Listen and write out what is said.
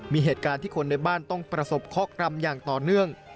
มีเหตุการณ์ที่คนในบ้านต้องประสบข้อกรรมอย่างต่อเนื่อง